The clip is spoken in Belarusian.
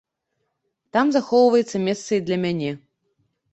Там захоўваецца месца і для мяне.